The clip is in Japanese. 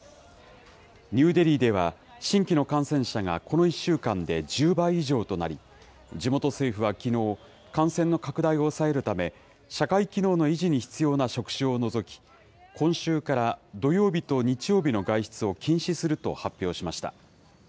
ニューデリーでは新規の感染者がこの１週間で１０倍以上となり、地元政府はきのう、感染の拡大を抑えるため、社会機能の維持に必要な職種を除き、今週から土曜日と日曜日の外出を禁止すると発表しました。